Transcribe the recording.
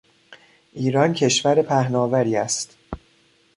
ایران کشور پهناوری است.